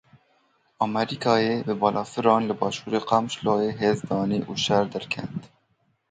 Amerîkayê bi balafiran li başûrê Qamişloyê hêz danî û şer derket.